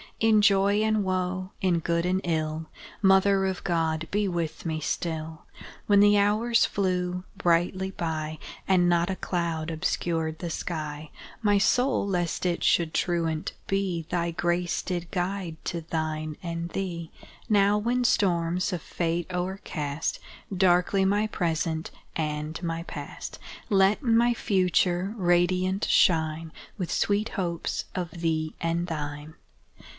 In joy and woe in good and ill Mother of God, be with me still! When the hours flew brightly by, And not a cloud obscured the sky, My soul, lest it should truant be, Thy grace did guide to thine and thee; Now, when storms of Fate o'ercast Darkly my Present and my Past, Let my Future radiant shine With sweet hopes of thee and thine!